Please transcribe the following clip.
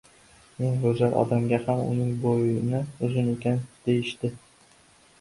• Eng go‘zal odamga ham uning bo‘yni uzun ekan, deyishdi.